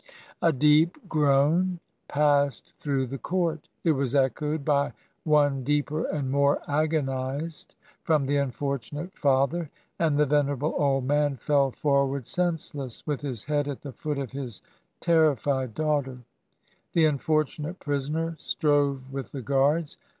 ' A deep groan passed through the court. It was echoed by one deeper and more agonized from the unfortunate father ... and the venerable old man fell forward senseless ... with his head at the foot of his terri fied daughter. ... The unfortunate prisoner ... strove with the guards.